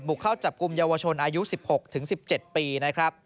เข้าจับกลุ่มเยาวชนอายุ๑๖๑๗ปีนะครับ